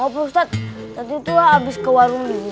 pak ustadz tadi tuh abis ke warung bisnis